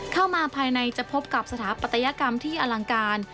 เข้ามาภายในจะพบกับสถาปัตยกรรมที่อลังการ